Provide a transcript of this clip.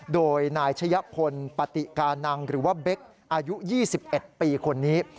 โดยนายชะยะพลปฏิกานังหรือว่าเบคอายุ๒๑ปีคนนี้